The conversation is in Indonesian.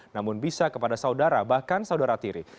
namun bisa kepada saudara bahkan saudara tiri